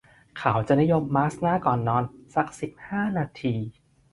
เขาจะนิยมมาสก์หน้าก่อนนอนสัก สิบห้า นาที